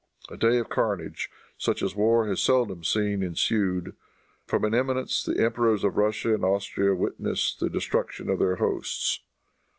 A day of carnage, such as war has seldom seen, ensued. From an eminence the Emperors of Russia and Austria witnessed the destruction of their hosts.